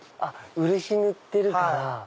漆塗ってるから。